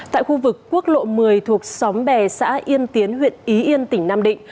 tại khu vực quốc lộ một mươi thuộc xóm bè xã yên tiến huyện ý yên tỉnh nam định